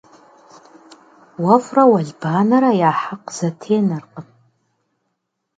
Уэфӏрэ уэлбанэрэ я хьэкъ зэтенэркъым.